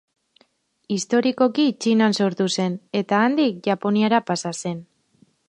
Historikoki Txinan sortu zen eta handik Japoniara pasa zen.